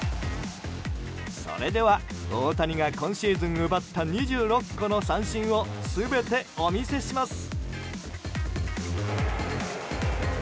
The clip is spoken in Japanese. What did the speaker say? それでは大谷が今シーズン奪った２６個の三振を全てお見せします。